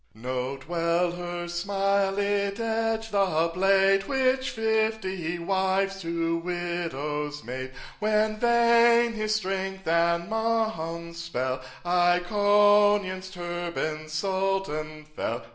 "'Note well her smile!—it edged the blade Which fifty wives to widows made, When, vain his strength and Mahound's spell, Iconium's turban'd Soldan fell.